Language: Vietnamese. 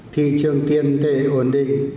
thị trường tiền tệ ổn định